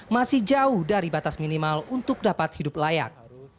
masih jauh dari batas minimal untuk dapat hidup layak